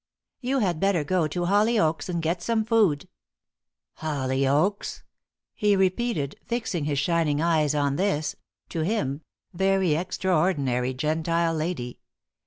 "You had better go to Hollyoaks and get some food. "Hollyoaks?" he repeated, fixing his shining eyes on this to him very extraordinary Gentile lady.